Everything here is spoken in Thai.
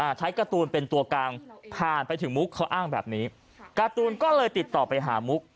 ใช้การ์ตูนเป็นตัวกลางผ่านไปถึงมุกเขาอ้างแบบนี้การ์ตูนก็เลยติดต่อไปหามุก